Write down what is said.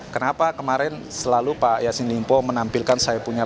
kenapa kemarin selalu pak yasin limpo menampilkan saya punya